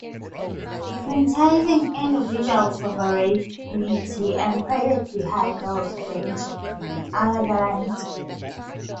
Franchising, individual sovereignty, and private vehicles reign supreme over the landscape.